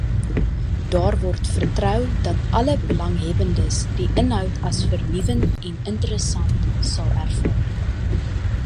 Daar word vertrou dat alle belanghebbendes die inhoud as vernuwend en interessant sal ervaar.